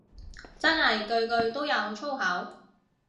真係句句都有粗口